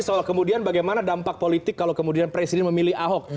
soal kemudian bagaimana dampak politik kalau kemudian presiden memilih ahok